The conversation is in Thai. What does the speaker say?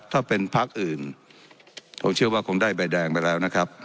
ถ้าเป็นพักอื่นผมเชื่อว่าคงได้ใบแดงไปแล้วนะครับ